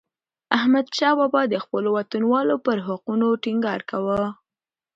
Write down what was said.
احمدشاه بابا د خپلو وطنوالو پر حقونو ټينګار کاوه.